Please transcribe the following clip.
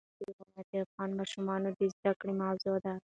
پابندي غرونه د افغان ماشومانو د زده کړې موضوع ده.